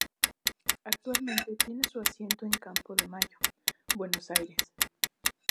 Actualmente tiene su asiento en Campo de Mayo, Buenos Aires.